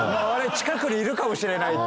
近くにいるかもしれないって。